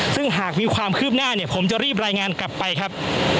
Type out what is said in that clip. ซึ่งหากมีความคืบหน้าเนี่ยผมจะรีบรายงานกลับไปครับ